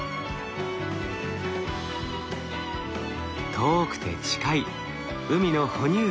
遠くて近い海の哺乳類。